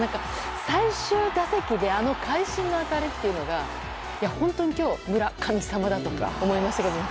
最終打席であの会心の当たりっていうのが本当に今日村神様だと思いましたけども。